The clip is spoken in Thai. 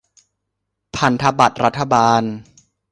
พันธบัตรรัฐบาล